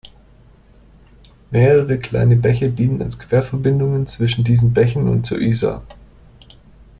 Mehrere kleine Bäche dienen als Querverbindungen zwischen diesen Bächen und zur Isar.